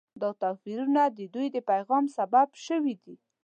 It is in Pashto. دا توپیرونه د دوی د پیغام سبب شوي دي.